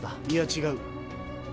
いや違う。